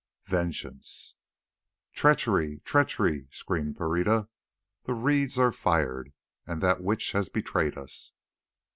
VENGEANCE "Treachery! treachery!" screamed Pereira. "The reeds are fired, and that witch has betrayed us."